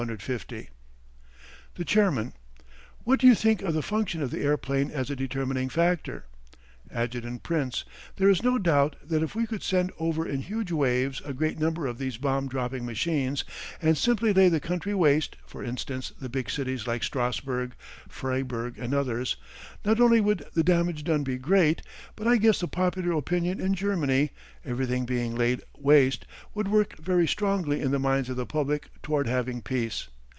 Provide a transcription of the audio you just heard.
The Chairman: What do you think of the function of the airplane as a determining factor? Adjt. Prince: There is no doubt that if we could send over in huge waves a great number of these bomb dropping machines, and simply lay the country waste for instance, the big cities like Strassburg, Freiburg, and others not only would the damage done be great, but I guess the popular opinion in Germany, everything being laid waste, would work very strongly in the minds of the public toward having peace.